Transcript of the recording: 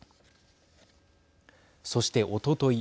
そして、おととい